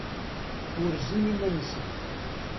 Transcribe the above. Urzen iman-nsen.